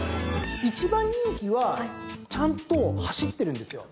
１番人気はちゃんと走ってるんですよ。